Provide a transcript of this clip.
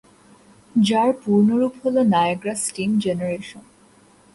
যার পূর্ণরূপ হলো নায়াগ্রা স্টিম জেনারেশন।